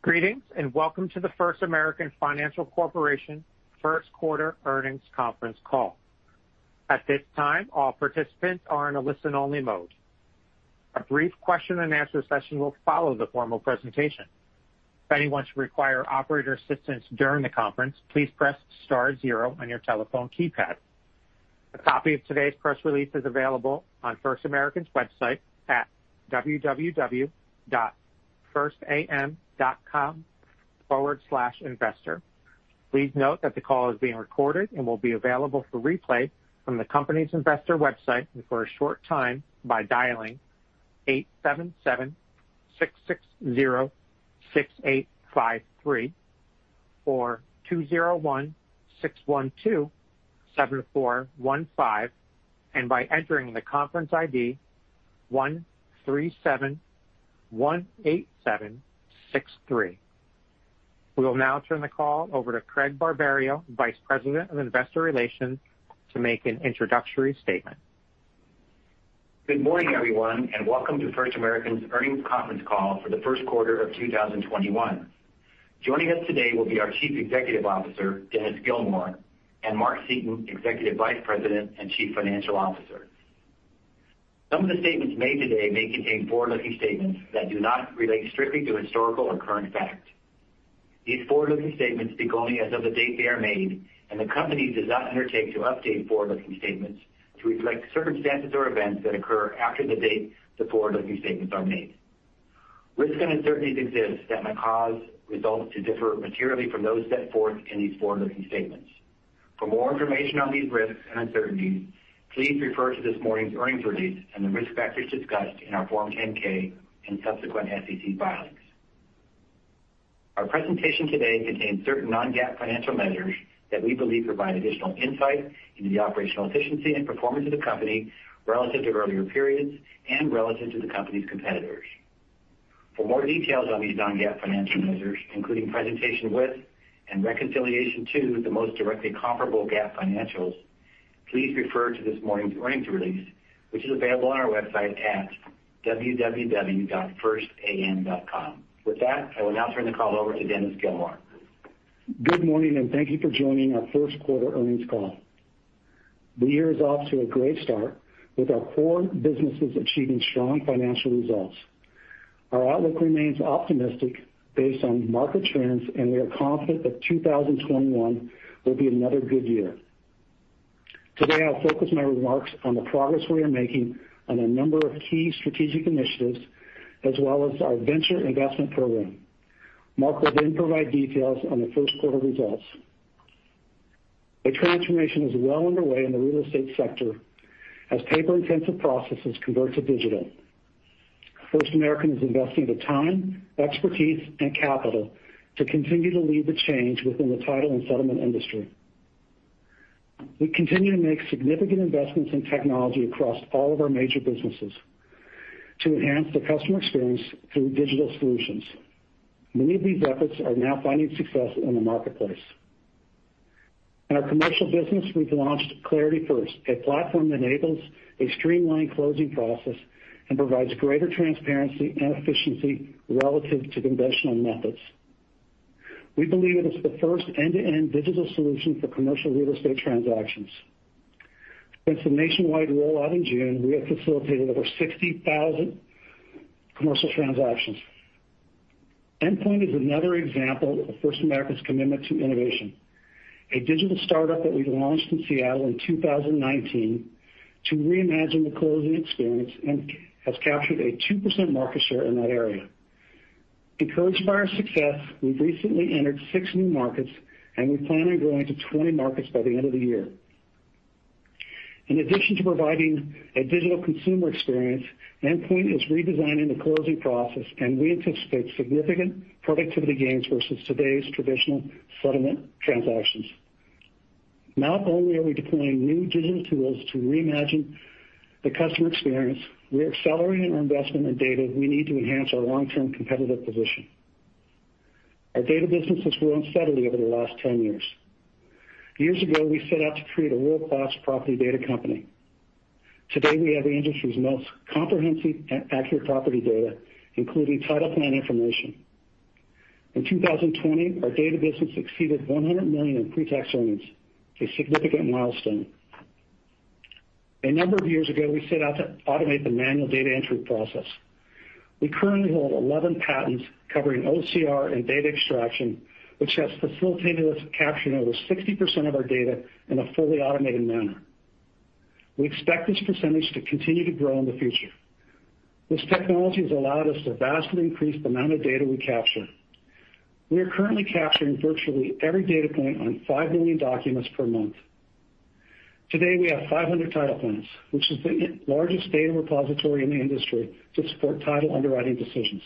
Greetings and welcome to the First American Financial Corporation first quarter earnings call. At this time all participants are in a only listen mode. A brief question and answer session will follow the normal presentation. Anyone requiring operator assistance during the conference call, please press star zero on your telephone keypad. A copy of today's press release is available at first American website at www.firstam.com/investor.Please note that the call is being recorded and will be available for replaying from company investor website for a short time by dialing eight seven, seven, six, zero, six, eight, five, three, four, two, zero, one, six one, two, seven, four, one, five, and by entering the conference ID one, three, seven, one, eight, seven, six, three. We will now turn the call over to Craig Barberio, Vice President of Investor Relations, to make an introductory statement. Good morning, everyone, and welcome to First American's earnings conference call for the first quarter of 2021. Joining us today will be our Chief Executive Officer, Dennis Gilmore, and Mark Seaton, Executive Vice President and Chief Financial Officer. Some of the statements made today may contain forward-looking statements that do not relate strictly to historical or current fact. These forward-looking statements speak only as of the date they are made, and the company does not undertake to update forward-looking statements to reflect circumstances or events that occur after the date the forward-looking statements are made. Risks and uncertainties exist that might cause results to differ materially from those set forth in these forward-looking statements. For more information on these risks and uncertainties, please refer to this morning's earnings release and the risk factors discussed in our Form 10-K and subsequent SEC filings. Our presentation today contains certain non-GAAP financial measures that we believe provide additional insight into the operational efficiency and performance of the company relative to earlier periods and relative to the company's competitors. For more details on these non-GAAP financial measures, including presentation with and reconciliation to the most directly comparable GAAP financials, please refer to this morning's earnings release, which is available on our website at www.firstam.com. With that, I will now turn the call over to Dennis Gilmore. Good morning. Thank you for joining our first quarter earnings call. The year is off to a great start with our core businesses achieving strong financial results. Our outlook remains optimistic based on market trends, and we are confident that 2021 will be another good year. Today, I'll focus my remarks on the progress we are making on a number of key strategic initiatives as well as our venture investment program. Mark will then provide details on the first quarter results. A transformation is well underway in the real estate sector as paper-intensive processes convert to digital. First American is investing the time, expertise, and capital to continue to lead the change within the title and settlement industry. We continue to make significant investments in technology across all of our major businesses to enhance the customer experience through digital solutions. Many of these efforts are now finding success in the marketplace. In our commercial business, we've launched ClarityFirst, a platform that enables a streamlined closing process and provides greater transparency and efficiency relative to conventional methods. We believe it is the first end-to-end digital solution for commercial real estate transactions. Since the nationwide rollout in June, we have facilitated over 60,000 commercial transactions. Endpoint is another example of First American's commitment to innovation. A digital startup that we launched in Seattle in 2019 to reimagine the closing experience and has captured a 2% market share in that area. Encouraged by our success, we've recently entered six new markets, and we plan on growing to 20 markets by the end of the year. In addition to providing a digital consumer experience, Endpoint is redesigning the closing process, and we anticipate significant productivity gains versus today's traditional settlement transactions. Not only are we deploying new digital tools to reimagine the customer experience, we're accelerating our investment in data we need to enhance our long-term competitive position. Our data business has grown steadily over the last 10 years. Years ago, we set out to create a world-class property data company. Today, we have the industry's most comprehensive and accurate property data, including title plan information. In 2020, our data business exceeded $100 million in pre-tax earnings, a significant milestone. A number of years ago, we set out to automate the manual data entry process. We currently hold 11 patents covering OCR and data extraction, which has facilitated us capturing over 60% of our data in a fully automated manner. We expect this percentage to continue to grow in the future. This technology has allowed us to vastly increase the amount of data we capture. We are currently capturing virtually every data point on 5 million documents per month. Today, we have 500 title plans, which is the largest data repository in the industry to support title underwriting decisions.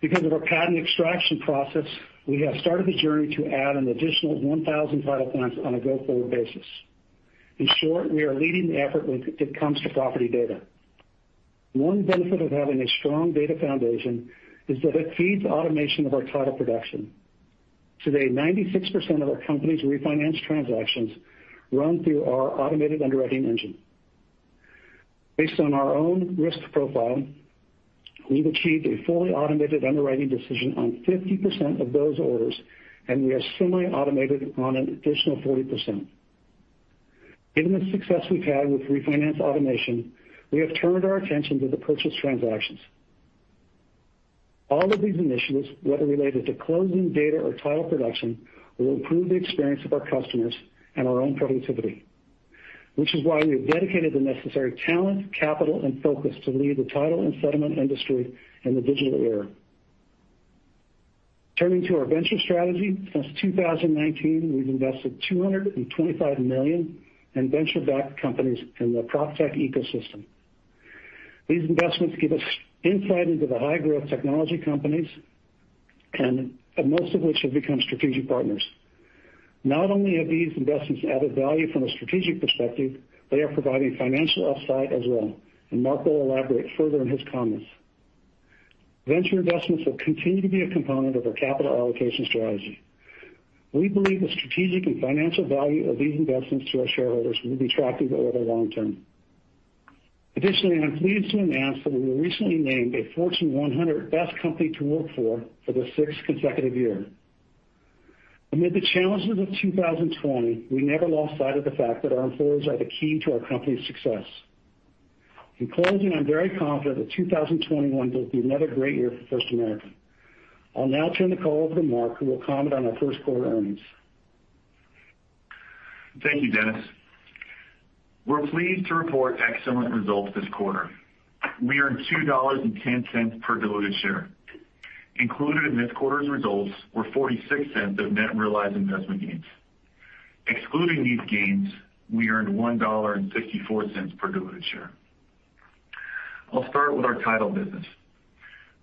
Because of our patent extraction process, we have started the journey to add an additional 1,000 title plans on a go-forward basis. In short, we are leading the effort when it comes to property data. One benefit of having a strong data foundation is that it feeds automation of our title production. Today, 96% of our company's refinance transactions run through our automated underwriting engine. Based on our own risk profile, we've achieved a fully automated underwriting decision on 50% of those orders, and we are semi-automated on an additional 40%. Given the success we've had with refinance automation, we have turned our attention to the purchase transactions. All of these initiatives, whether related to closing data or title production, will improve the experience of our customers and our own productivity, which is why we have dedicated the necessary talent, capital, and focus to lead the title and settlement industry in the digital era. Turning to our venture strategy, since 2019, we've invested $225 million in venture-backed companies in the PropTech Ecosystem. These investments give us insight into the high-growth technology companies, and most of which have become strategic partners. Not only have these investments added value from a strategic perspective, they are providing financial upside as well, and Mark will elaborate further in his comments. Venture investments will continue to be a component of our capital allocation strategy. We believe the strategic and financial value of these investments to our shareholders will be attractive over the long term. Additionally, I'm pleased to announce that we were recently named a Fortune 100 Best Companies to work for, for the sixth consecutive year. Amid the challenges of 2020, we never lost sight of the fact that our employees are the key to our company's success. In closing, I'm very confident that 2021 will be another great year for First American. I'll now turn the call over to Mark Seaton, who will comment on our first quarter earnings. Thank you, Dennis. We're pleased to report excellent results this quarter. We earned $2.10 per diluted share. Included in this quarter's results were $0.46 of net realized investment gains. Excluding these gains, we earned $1.64 per diluted share. I'll start with our title business.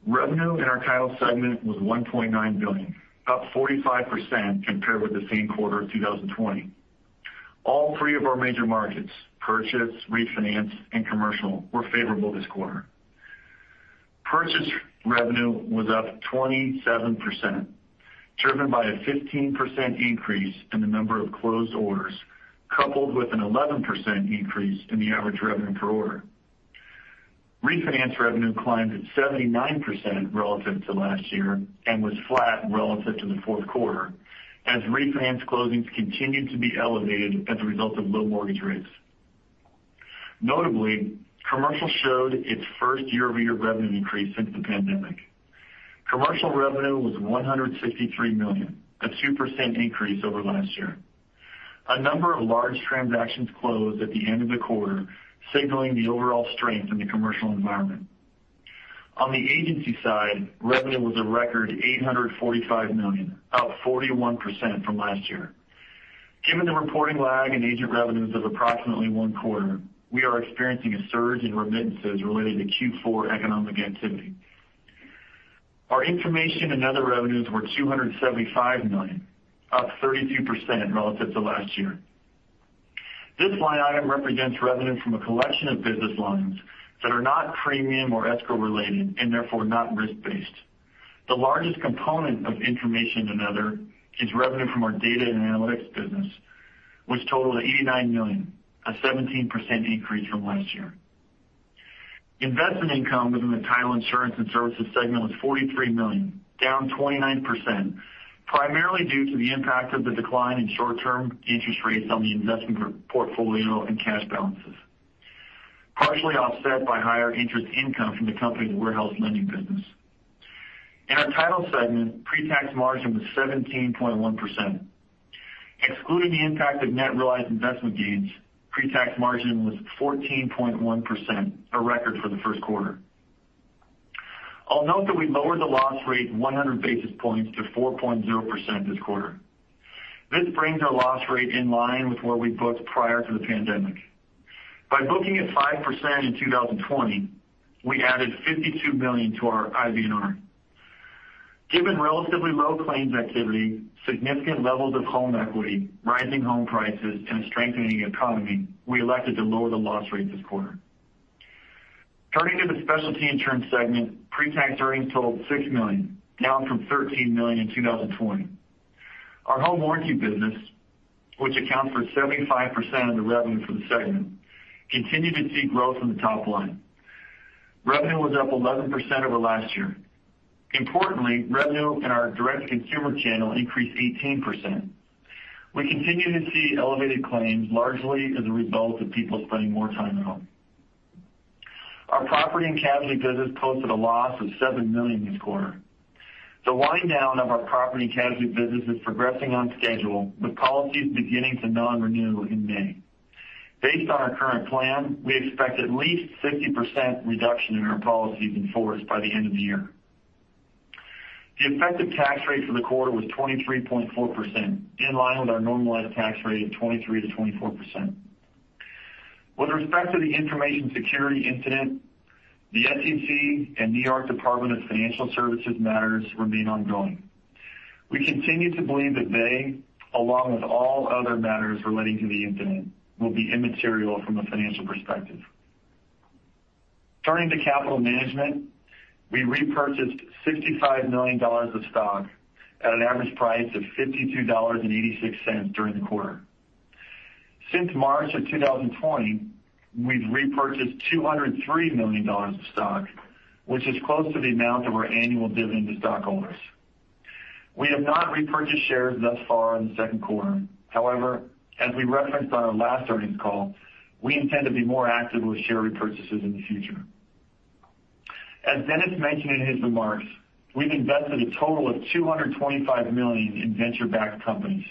Revenue in our title segment was $1.9 billion, up 45% compared with the same quarter in 2020. All three of our major markets, purchase, refinance, and commercial, were favorable this quarter. Purchase revenue was up 27%, driven by a 15% increase in the number of closed orders, coupled with an 11% increase in the average revenue per order. Refinance revenue climbed at 79% relative to last year and was flat relative to the fourth quarter, as refinance closings continued to be elevated as a result of low mortgage rates. Notably, commercial showed its first year-over-year revenue increase since the pandemic. Commercial revenue was $163 million, a 2% increase over last year. A number of large transactions closed at the end of the quarter, signaling the overall strength in the commercial environment. On the agency side, revenue was a record $845 million, up 41% from last year. Given the reporting lag in agent revenues of approximately one quarter, we are experiencing a surge in remittances related to Q4 economic activity. Our information and other revenues were $275 million, up 32% relative to last year. This line item represents revenue from a collection of business lines that are not premium or escrow related, and therefore not risk-based. The largest component of information and other is revenue from our data and analytics business, which totaled $89 million, a 17% increase from last year. Investment income within the title insurance and services segment was $43 million, down 29%, primarily due to the impact of the decline in short-term interest rates on the investment portfolio and cash balances, partially offset by higher interest income from the company's warehouse lending business. In our title segment, pre-tax margin was 17.1%. Excluding the impact of net realized investment gains, pre-tax margin was 14.1%, a record for the first quarter. I'll note that we lowered the loss rate 100 basis points to 4.0% this quarter. This brings our loss rate in line with where we booked prior to the pandemic. By booking at 5% in 2020, we added $52 million to our IBNR. Given relatively low claims activity, significant levels of home equity, rising home prices, and a strengthening economy, we elected to lower the loss rate this quarter. Turning to the specialty insurance segment, pre-tax earnings totaled $6 million, down from $13 million in 2020. Our home warranty business, which accounts for 75% of the revenue for the segment, continued to see growth in the top line. Revenue was up 11% over last year. Importantly, revenue in our direct-to-consumer channel increased 18%. We continue to see elevated claims, largely as a result of people spending more time at home. Our property and casualty business posted a loss of $7 million this quarter. The wind-down of our property and casualty business is progressing on schedule, with policies beginning to non-renew in May. Based on our current plan, we expect at least 50% reduction in our policies in force by the end of the year. The effective tax rate for the quarter was 23.4%, in line with our normalized tax rate of 23%-24%. With respect to the information security incident, the SEC and New York State Department of Financial Services matters remain ongoing. We continue to believe that they, along with all other matters relating to the incident, will be immaterial from a financial perspective. Turning to capital management, we repurchased $65 million of stock at an average price of $52.86 during the quarter. Since March of 2020, we've repurchased $203 million of stock, which is close to the amount of our annual dividend to stockholders. We have not repurchased shares thus far in the second quarter. As we referenced on our last earnings call, we intend to be more active with share repurchases in the future. As Dennis mentioned in his remarks, we've invested a total of $225 million in venture-backed companies.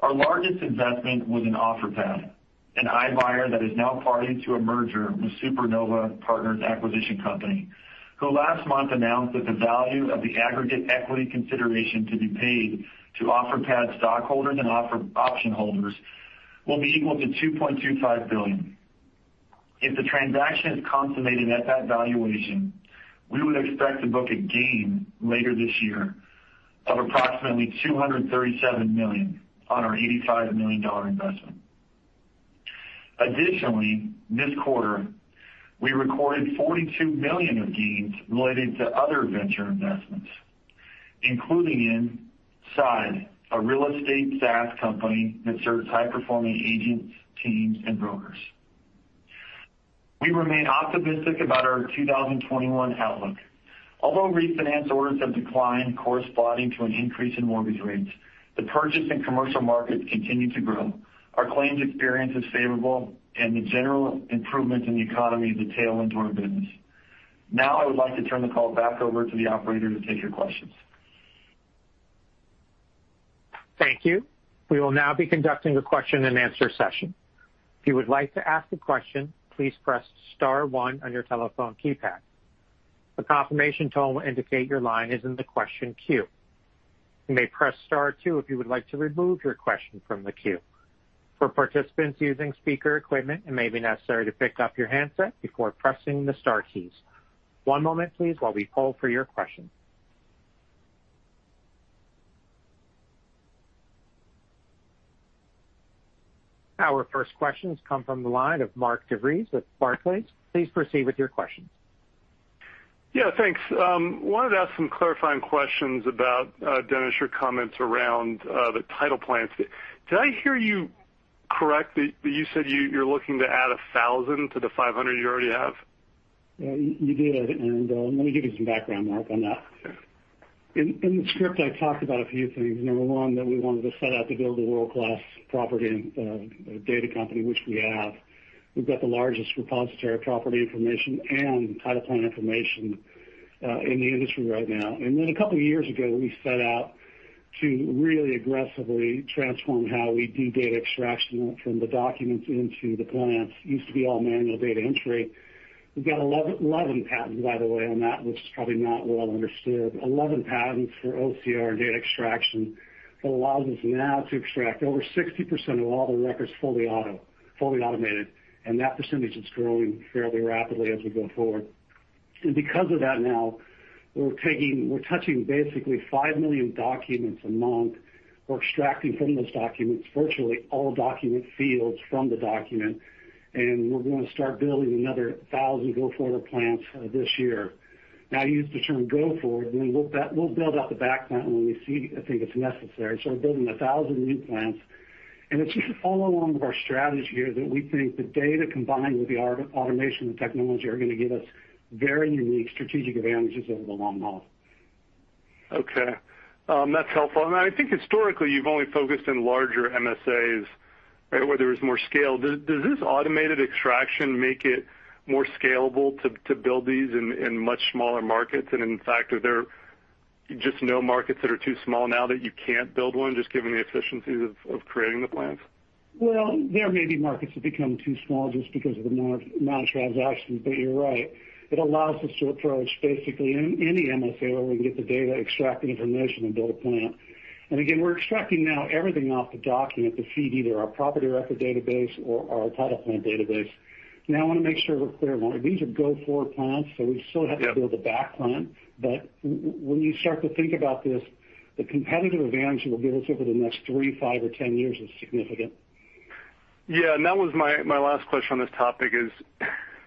Our largest investment was in Offerpad, an iBuyer that is now party to a merger with Supernova Partners Acquisition Company, who last month announced that the value of the aggregate equity consideration to be paid to Offerpad stockholders and option holders will be equal to $2.25 billion. If the transaction is consummated at that valuation, we would expect to book a gain later this year of approximately $237 million on our $85 million investment. Additionally, this quarter, we recorded $42 million of gains related to other venture investments, including in Side, a real estate SaaS company that serves high-performing agents, teams, and brokers. We remain optimistic about our 2021 outlook. Although refinance orders have declined corresponding to an increase in mortgage rates, the purchase and commercial markets continue to grow. Our claims experience is favorable, and the general improvement in the economy is a tailwind to our business. Now I would like to turn the call back over to the operator to take your questions. Thank you. We will now be conducting the question and answer session. If you would like to ask a question please press star one on your telephone keypad .The confirmation tone in to take your line is in the question queue. You may press star two if would like to remove your question from the queue. For participants using speaker it may be necessary to pick up your answer before pressing the star keys. One moment please while we hold for your question. Our first questions come from the line of Mark DeVries with Barclays. Please proceed with your questions. Yeah, thanks. Wanted to ask some clarifying questions about, Dennis, your comments around the title plants. Did I hear you correctly that you said you're looking to add 1,000 to the 500 you already have? Yeah, you did. Let me give you some background, Mark, on that. In the script, I talked about a few things. Number one, that we wanted to set out to build a world-class property data company, which we have. We've got the largest repository of property information and title plant information in the industry right now. Then a couple of years ago, we set out to really aggressively transform how we do data extraction from the documents into the plants. Used to be all manual data entry. We've got 11 patents, by the way, on that, which is probably not well understood. 11 patents for OCR data extraction that allows us now to extract over 60% of all the records fully automated. That percentage is growing fairly rapidly as we go forward. Because of that now, we're touching basically 5 million documents a month. We're extracting from those documents virtually all document fields from the document, and we're going to start building another 1,000 go-forward plants this year. I use the term go forward, and we'll build out the back plant when we see, I think it's necessary. We're building 1,000 new plants, and it's just all along with our strategy here that we think the data combined with the automation and technology are going to give us very unique strategic advantages over the long haul. Okay. That's helpful. I think historically, you've only focused in larger MSAs, right, where there is more scale. Does this automated extraction make it more scalable to build these in much smaller markets? In fact, are there just no markets that are too small now that you can't build one, just given the efficiencies of creating the plants? Well, there may be markets that become too small just because of the amount of transactions. You're right. It allows us to approach basically any MSA where we can get the data, extract the information, and build a plant. Again, we're extracting now everything off the document to feed either our property record database or our title plant database. Now, I want to make sure we're clear. These are go-forward plants, we still have to build a back plant. When you start to think about this, the competitive advantage it will give us over the next three, five, or 10 years is significant. Yeah. That was my last question on this topic is,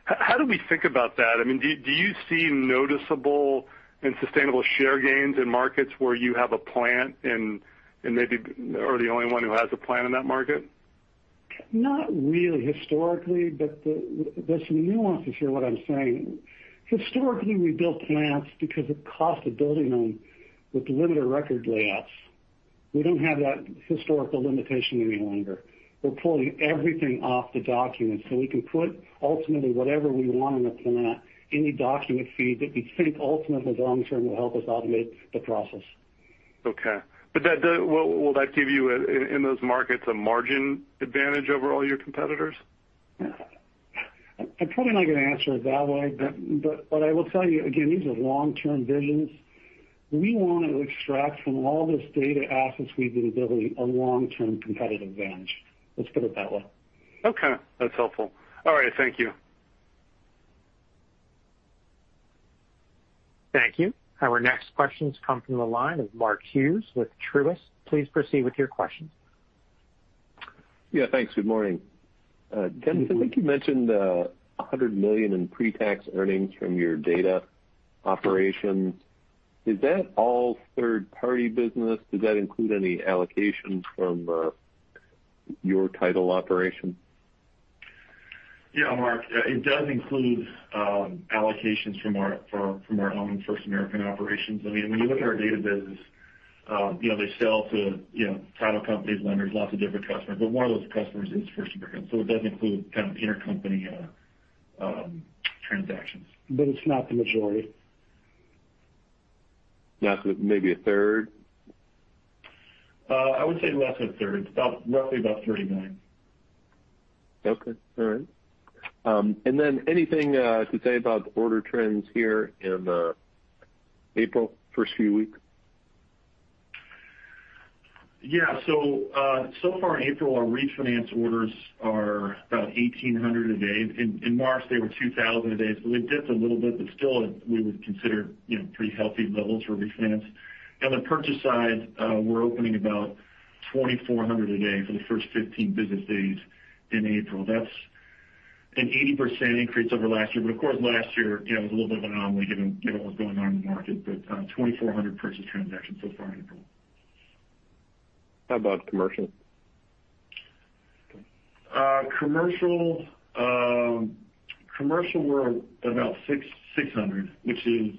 how do we think about that? I mean, do you see noticeable and sustainable share gains in markets where you have a plant and maybe are the only one who has a plant in that market? Not really historically, but there's some nuances here, what I'm saying. Historically, we built plants because the cost of building them with limited record layouts. We don't have that historical limitation any longer. We're pulling everything off the document, so we can put ultimately whatever we want in a plant, any document feed that we think ultimately, long term, will help us automate the process. Okay. Will that give you, in those markets, a margin advantage over all your competitors? I'm probably not going to answer it that way. What I will tell you, again, these are long-term visions. We want to extract from all this data assets we've been building a long-term competitive advantage. Let's put it that way. Okay. That's helpful. All right, thank you. Thank you. Our next questions come from the line of Mark Hughes with Truist. Please proceed with your questions. Yeah, thanks. Good morning. Dennis, I think you mentioned $100 million in pre-tax earnings from your data operations. Is that all third-party business? Does that include any allocation from your title operations? Yeah. Mark, it does include allocations from our own First American operations. When you look at our data business, they sell to title companies, lenders, lots of different customers, but one of those customers is First American. It does include kind of intercompany transactions. It's not the majority. Not, maybe a third? I would say less than a third, roughly about $30 million. Okay. All right. Anything to say about order trends here in April, first few weeks? Yeah. So far in April, our refinance orders are about 1,800 a day. In March, they were 2,000 a day. We dipped a little bit, but still we would consider pretty healthy levels for refinance. On the purchase side, we're opening about 2,400 a day for the first 15 business days in April. That's an 80% increase over last year. Of course, last year, was a little bit of an anomaly given what was going on in the market. 2,400 purchase transactions so far in April. How about commercial? Commercial were about 600, which is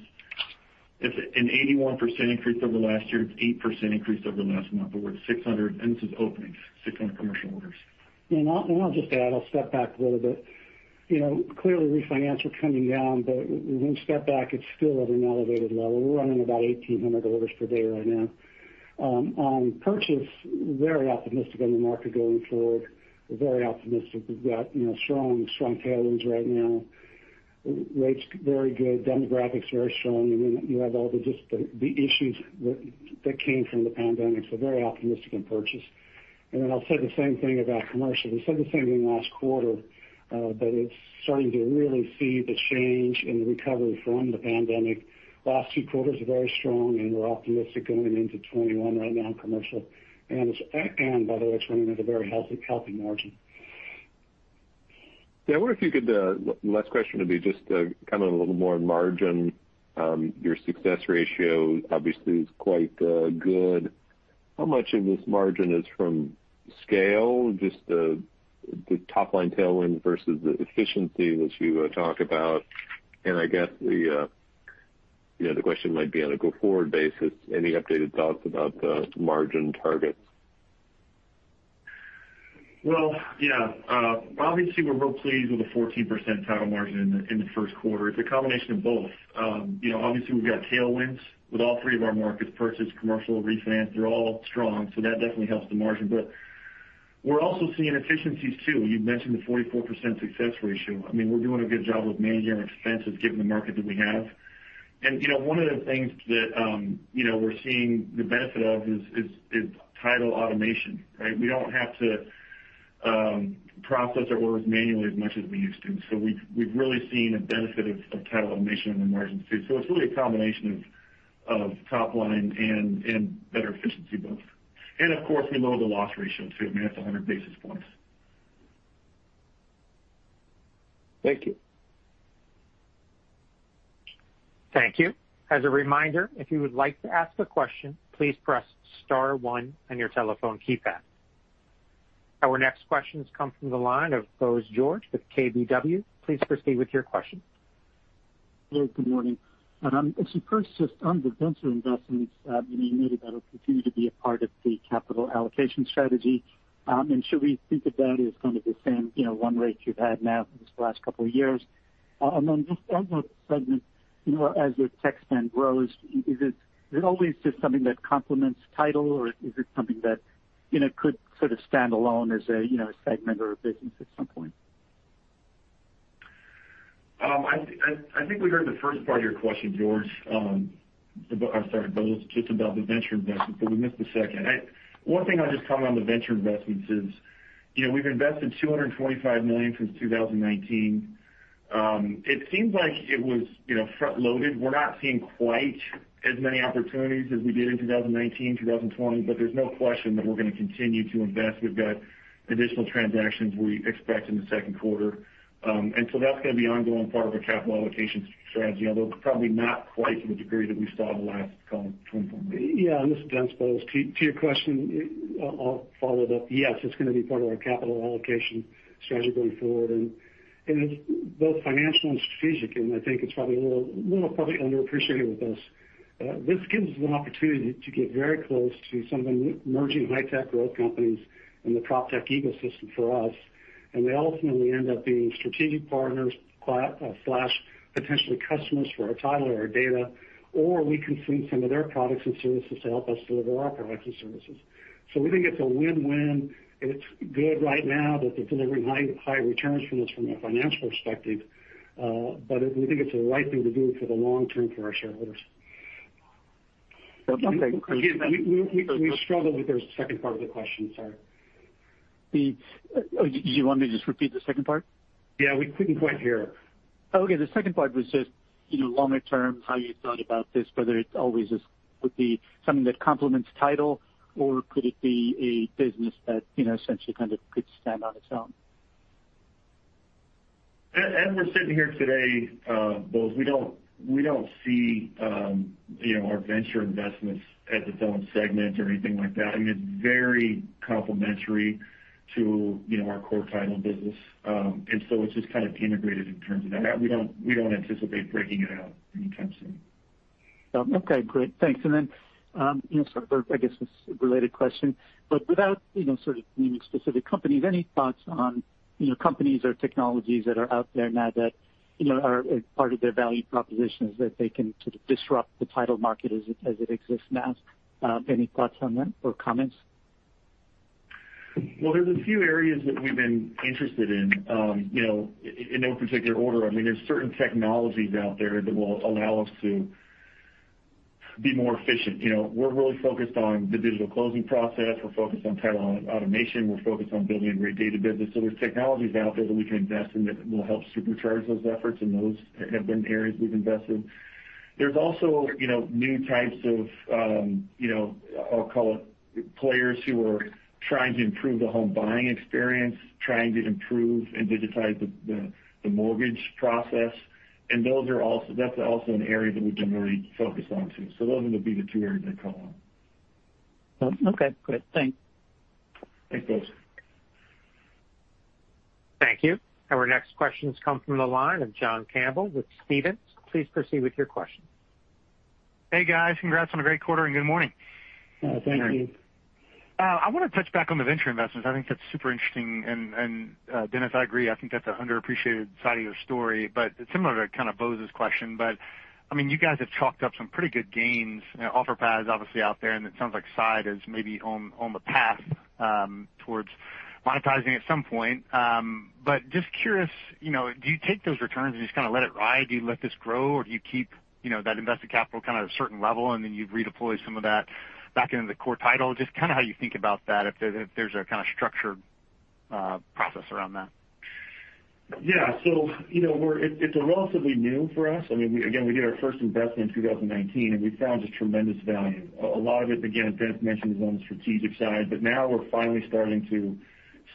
an 81% increase over last year. It's 8% increase over last month, but we're at 600, and this is openings, 600 commercial orders. I'll just add, I'll step back a little bit. Clearly, refinance are trending down, but when you step back, it's still at an elevated level. We're running about 1,800 orders per day right now. On purchase, very optimistic on the market going forward. We're very optimistic. We've got strong tailwinds right now. Rates very good. Demographics very strong. You have all the issues that came from the pandemic. Very optimistic in purchase. I'll say the same thing about commercial. We said the same thing last quarter, but it's starting to really see the change in the recovery from the pandemic. Last two quarters are very strong, and we're optimistic going into 2021 right now in commercial, and by the way, it's running at a very healthy margin. Yeah. I wonder if you could, last question would be just to kind of a little more on margin. Your success ratio obviously is quite good. How much of this margin is from scale, just the top-line tailwind versus the efficiency, which you talk about? I guess, the question might be on a go-forward basis, any updated thoughts about the margin targets? Well, yeah. Obviously, we're real pleased with the 14% title margin in the first quarter. It's a combination of both. Obviously, we've got tailwinds with all three of our markets, purchase, commercial, refinance. They're all strong, so that definitely helps the margin. We're also seeing efficiencies too. You mentioned the 44% success ratio. We're doing a good job of managing our expenses given the market that we have. One of the things that we're seeing the benefit of is title automation, right? We don't have to process our orders manually as much as we used to. We've really seen a benefit of title automation in the margins too. It's really a combination of top line and better efficiency both. Of course, we lowered the loss ratio too. I mean, that's 100 basis points. Thank you. Thank you. As a reminder, if you would like to ask a question, please press star one on your telephone keypad. Our next questions come from the line of Bose George with KBW. Please proceed with your question. Hello, good morning. Actually, first, just on the venture investments, you noted that'll continue to be a part of the capital allocation strategy. Should we think of that as kind of the same run rate you've had now for the last couple of years? Among those segments, as your tech spend grows, is it always just something that complements Title, or is it something that could sort of stand-alone as a segment or a business at some point? I think we heard the first part of your question, George. I'm sorry, Bose. Just about the venture investments, but we missed the second. One thing I'll just comment on the venture investments is, we've invested $225 million since 2019. It seems like it was front-loaded. We're not seeing quite as many opportunities as we did in 2019, 2020, but there's no question that we're going to continue to invest. We've got additional transactions we expect in the second quarter. That's going to be an ongoing part of our capital allocation strategy, although probably not quite to the degree that we saw in the last call, $225 million. Yeah, this is Dennis, Bose. To your question, I'll follow it up. Yes, it's going to be part of our capital allocation strategy going forward, and it's both financial and strategic, and I think it's probably a little underappreciated with us. This gives us an opportunity to get very close to some of the emerging high-tech growth companies in the PropTech Ecosystem for us, and they ultimately end up being strategic partners/potentially customers for our title or our data, or we can source some of their products and services to help us deliver our products and services. We think it's a win-win. It's good right now that they're delivering high returns for us from a financial perspective. We think it's the right thing to do for the long term for our shareholders. We struggled with the second part of the question, sir. Do you want me to just repeat the second part? Yeah, we couldn't quite hear. Okay. The second part was just longer term, how you thought about this, whether it always would be something that complements title or could it be a business that essentially could stand on its own? As we're sitting here today, Bose, we don't see our venture investments as its own segment or anything like that. It's very complementary to our core title business. It's just kind of integrated in terms of that. We don't anticipate breaking it out anytime soon. Okay, great. Thanks. Then, sort of I guess this related question, but without sort of naming specific companies, any thoughts on companies or technologies that are out there now that are part of their value proposition is that they can sort of disrupt the title market as it exists now? Any thoughts on that or comments? There are a few areas that we've been interested in. In no particular order, there's certain technologies out there that will allow us to be more efficient. We're really focused on the digital closing process. We're focused on title automation. We're focused on building a great data business. There are technologies out there that we can invest in that will help supercharge those efforts, and those have been areas we've invested. There are also new types of, I'll call it players who are trying to improve the home buying experience, trying to improve and digitize the mortgage process. That's also an area that we've been very focused on too. Those would be the two areas I'd call on. Okay, great. Thanks. Thanks, Bose. Thank you. Our next questions come from the line of John Campbell with Stephens. Please proceed with your question. Hey, guys. Congrats on a great quarter and good morning. Thank you. I want to touch back on the venture investments. I think that's super interesting and Dennis, I agree, I think that's an underappreciated side of your story, but similar to Bose's question. You guys have chalked up some pretty good gains. OfferPad is obviously out there and it sounds like Side is maybe on the path towards monetizing at some point. Just curious, do you take those returns and let it ride? Do you let this grow or do you keep that invested capital at a certain level and then you redeploy some of that back into the core title? How you think about that, if there's a structured process around that. Yeah. It's relatively new for us. Again, we did our first investment in 2019. We found just tremendous value. A lot of it, again, Dennis Gilmore mentioned, is on the strategic side. Now we're finally starting to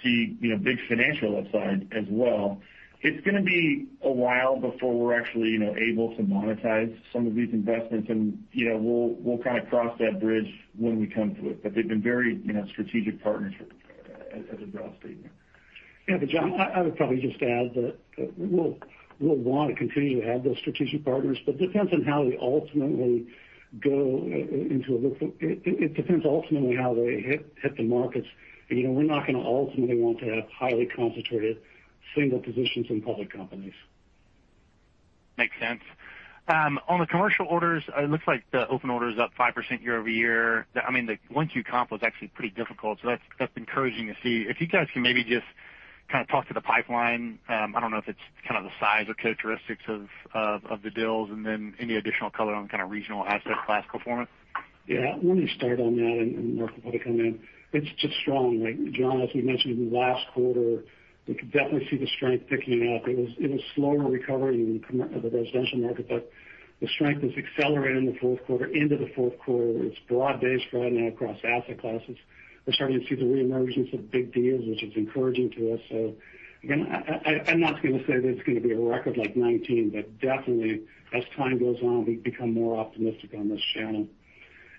see big financial upside as well. It's going to be a while before we're actually able to monetize some of these investments. We'll kind of cross that bridge when we come to it. They've been very strategic partners as a broad statement. Yeah. John, I would probably just add that we'll want to continue to have those strategic partners, but it depends ultimately how they hit the markets. We're not going to ultimately want to have highly concentrated single positions in public companies. Makes sense. On the commercial orders, it looks like the open order is up 5% year-over-year. The Q1 comp was actually pretty difficult, so that's encouraging to see. If you guys can maybe just kind of talk to the pipeline. I don't know if it's kind of the size or characteristics of the deals, and then any additional color on kind of regional asset class performance. Yeah. Let me start on that and Mark Seaton will probably come in. It's just strong. John Campbell, as we mentioned in the last quarter, we could definitely see the strength picking up. It was a slower recovery than the residential market, but the strength was accelerating the fourth quarter into the fourth quarter. It's broad-based right now across asset classes. We're starting to see the reemergence of big deals, which is encouraging to us. Again, I'm not going to say that it's going to be a record like 2019, but definitely as time goes on, we become more optimistic on this channel.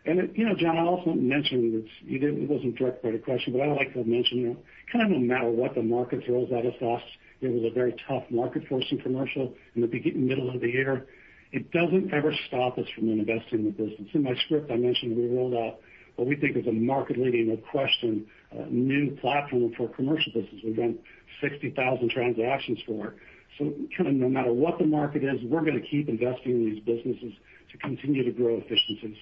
John Campbell, I also want to mention, it wasn't directed part of the question, but I would like to mention that kind of no matter what the market throws at us, it was a very tough market for us in commercial in the middle of the year. It doesn't ever stop us from investing in the business. In my script, I mentioned we rolled out what we think is a market-leading acquisition, a new platform for commercial business. We've done 60,000 transactions for it. Kind of no matter what the market is, we're going to keep investing in these businesses to continue to grow efficiencies.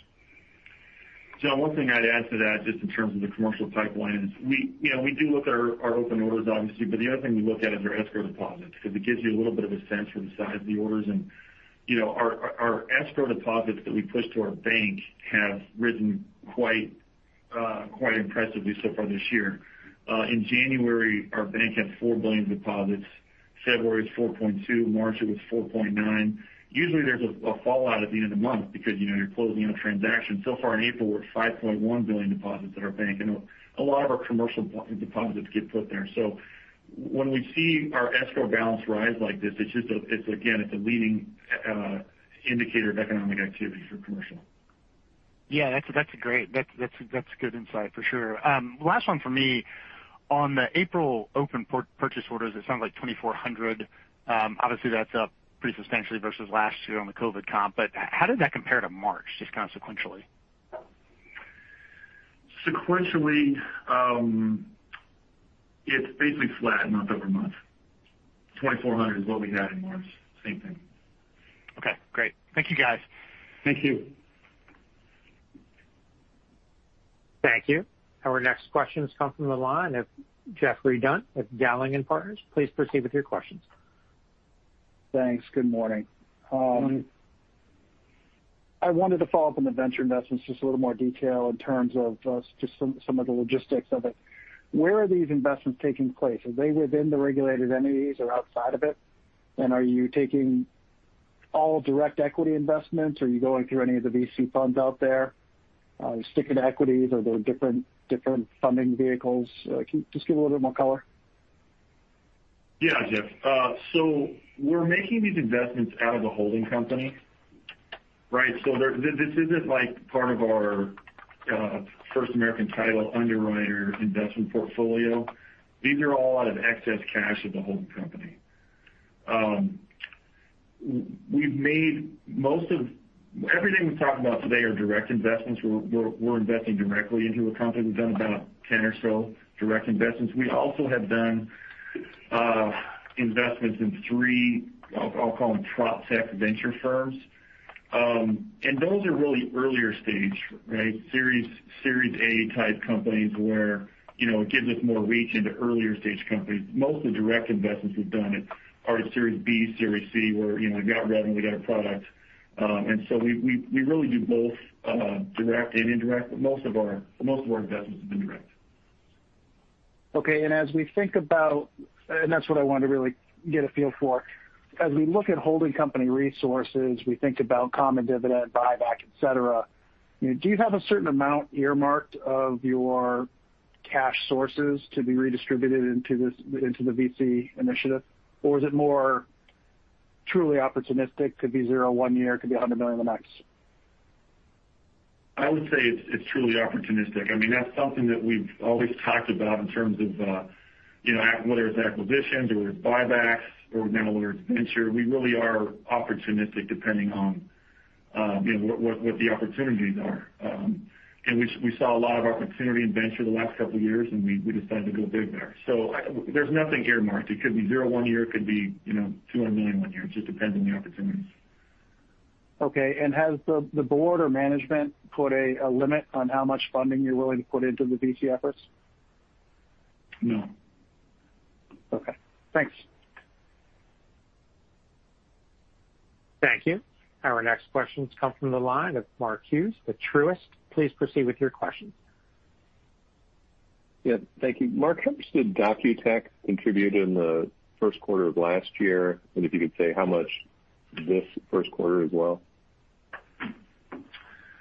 John, one thing I'd add to that, just in terms of the commercial pipeline is we do look at our open orders obviously, but the other thing we look at is our escrow deposits because it gives you a little bit of a sense for the size of the orders. Our escrow deposits that we push to our bank have risen quite impressively so far this year. In January, our bank had $4 billion deposits. February, it was $4.2 billion. March, it was $4.9 billion. Usually there's a fallout at the end of the month because you're closing out transactions. So far in April, we're at $5.1 billion deposits at our bank, and a lot of our commercial deposits get put there. When we see our escrow balance rise like this, again, it's a leading indicator of economic activity for commercial. Yeah, that's great. That's good insight for sure. Last one for me. On the April open purchase orders, it sounds like 2,400. Obviously, that's up pretty substantially versus last year on the COVID comp, but how did that compare to March, just consequentially? Sequentially, it's basically flat month-over-month. $2,400 is what we had in March. Same thing. Okay, great. Thank you, guys. Thank you. Thank you. Our next questions come from the line of Geoffrey Dunn with Dowling & Partners. Please proceed with your questions. Thanks. Good morning. Good morning. I wanted to follow up on the venture investments, just a little more detail in terms of just some of the logistics of it. Where are these investments taking place? Are they within the regulated entities or outside of it? Are you taking all direct equity investments, or are you going through any of the VC funds out there? Are you sticking to equities? Are there different funding vehicles? Can you just give a little bit more color? Yeah, Geoff. We're making these investments out of a holding company, right? This isn't part of our First American Title underwriter investment portfolio. These are all out of excess cash of the holding company. Everything we've talked about today are direct investments. We're investing directly into a company. We've done about 10 or so direct investments. We also have done investments in three, I'll call them PropTech venture firms. Those are really earlier stage, right? Series A type companies where it gives us more reach into earlier stage companies. Most of the direct investments we've done are at Series B, Series C, where we got revenue, we got a product. We really do both direct and indirect. Most of our investments have been direct. Okay, that's what I wanted to really get a feel for. As we look at holding company resources, we think about common dividend, buyback, et cetera, do you have a certain amount earmarked of your cash sources to be redistributed into the VC initiative? Or is it more truly opportunistic? Could be zero one year, could be $100 million the next. I would say it's truly opportunistic. That's something that we've always talked about in terms of whether it's acquisitions or buybacks or now whether it's venture. We really are opportunistic depending on what the opportunities are. We saw a lot of opportunity in venture the last couple of years, and we decided to go big there. There's nothing earmarked. It could be zero one year, it could be $200 million one year. It just depends on the opportunities. Okay. Has the board or management put a limit on how much funding you're willing to put into the VC efforts? No. Okay. Thanks. Thank you. Our next question comes from the line of Mark Hughes with Truist. Please proceed with your question. Yeah, thank you. Mark, how much did Docutech contribute in the first quarter of last year? If you could say how much this first quarter as well.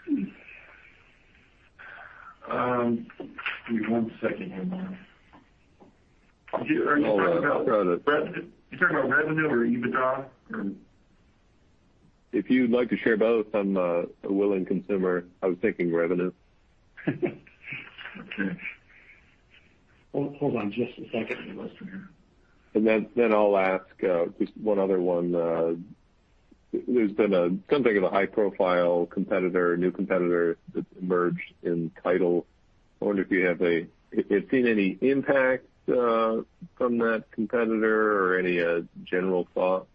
Give me one second here, Mark. Are you talking about revenue or EBITDA? If you'd like to share both, I'm a willing consumer. I was thinking revenue. Okay. Hold on just a second. Let me look for you. I'll ask just one other one. There's been something of a high-profile competitor, new competitor that's emerged in Title. I wonder if you have seen any impact from that competitor or any general thoughts.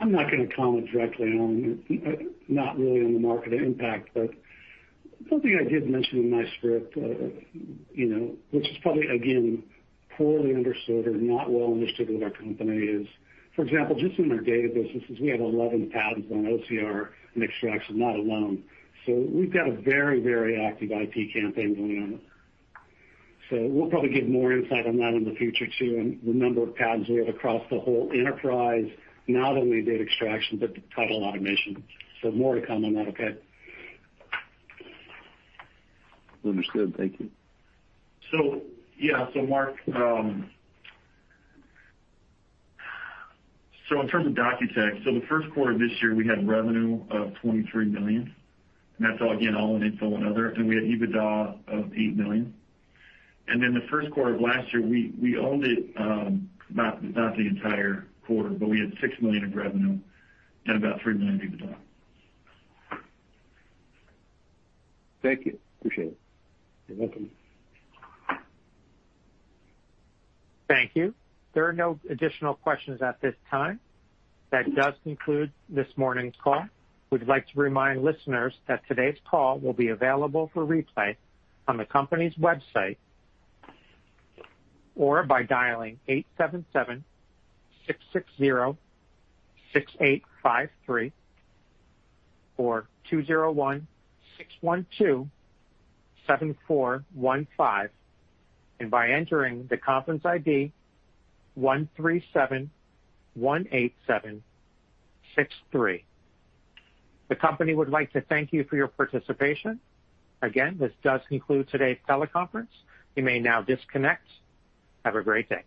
I'm not going to comment directly on the market impact. Something I did mention in my script, which is probably, again, poorly understood or not well understood with our company is, for example, just in our data businesses, we have 11 patents on OCR and extraction, not alone. We've got a very active IT campaign going on. We'll probably give more insight on that in the future, too, and the number of patents we have across the whole enterprise, not only data extraction, but title automation. More to come on that, okay? Understood. Thank you. Mark, in terms of Docutech, the first quarter of this year, we had revenue of $23 million. That's all, again, all in its own other. We had EBITDA of $8 million. The first quarter of last year, we owned it, not the entire quarter, but we had $6 million of revenue and about $3 million EBITDA. Thank you. Appreciate it. You're welcome. Thank you. There are no additional questions at this time. That does conclude this morning's call. We would like to remind listeners that today's call will be available for replay in the company website or by dialing eight ,seven, seven, six,, zero, six, eight, five, three, four ,two, zero, one, six one, two, seven, four, one, five and by entering the conference ID one, three, seven, one, eight, seven, six, three. The company would like to thank you for your participation. Again, this does conclude today's teleconference. You may now disconnect. Have a great day.